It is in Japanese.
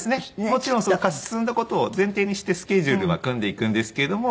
もちろん勝ち進んだ事を前提にしてスケジュールは組んでいくんですけども。